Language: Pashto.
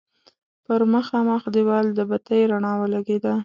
پر مخامخ دېوال د بتۍ رڼا ولګېده.